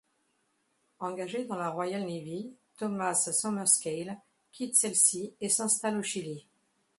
Engagé dans la Royal Navy, Thomas Somerscales quitte celle-ci et s'installe au Chili.